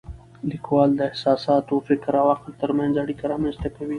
لیکوالی د احساساتو، فکر او عقل ترمنځ اړیکه رامنځته کوي.